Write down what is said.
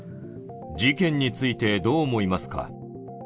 事件についてどう思いますか。